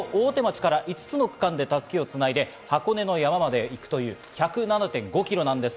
東京・大手町から５つの区間で襷を繋いで箱根の山まで行くという１０７．５ｋｍです。